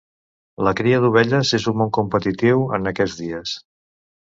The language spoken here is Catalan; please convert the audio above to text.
La cria d'ovelles és un món competitiu en aquests dies.